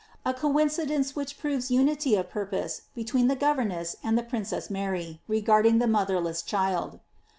* A coincidence which proYes QDity of purpose between the governess and the princess Mary, regard ing the motherless child.